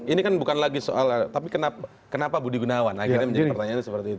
ini kan bukan lagi soal tapi kenapa budingunawan akhirnya menjadi pertanyaannya seperti itu